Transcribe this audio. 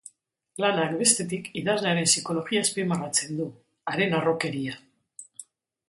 Lanak, bestetik, idazlearen psikologia azpimarratzen du, haren harrokeria.